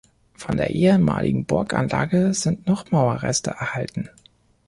Von der ehemaligen Burganlage sind noch Mauerreste erhalten.